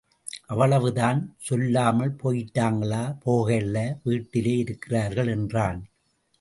அவ்வளவு தான். சொல்லாமல் போயிட்டாங்களா? போகலை, வீட்டிலே இருக்கிறார்கள் என்றான்.